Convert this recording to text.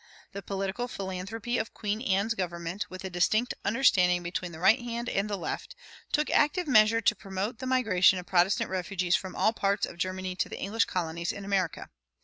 The political philanthropy of Queen Anne's government, with a distinct understanding between the right hand and the left, took active measure to promote the migration of Protestant refugees from all parts of Germany to the English colonies in America.